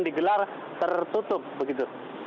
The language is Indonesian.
digelar tertutup begitu